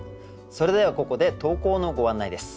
それではここで投稿のご案内です。